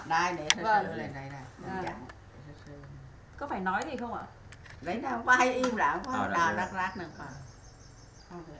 đây để thật sự lên đây này